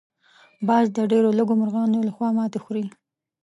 باز د ډېر لږو مرغانو لخوا ماتې خوري